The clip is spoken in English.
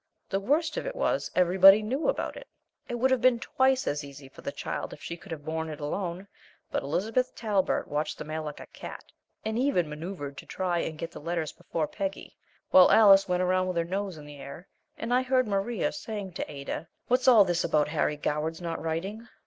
The worst of it was, everybody knew about it. It would have been twice as easy for the child if she could have borne it alone, but Elizabeth Talbert watched the mail like a cat, and even manoeuvred to try and get the letters before Peggy, while Alice went around with her nose in the air, and I heard Maria saying to Ada: "What's all this about Harry Goward's not writing?"